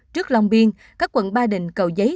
trước long biên các quận ba đình cầu giấy